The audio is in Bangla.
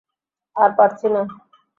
আর পারছি না।